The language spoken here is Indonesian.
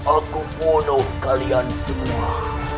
aku bunuh kalian semua